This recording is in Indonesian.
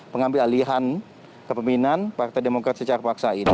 pengambil alihan kepemimpinan partai demokrat secara paksa ini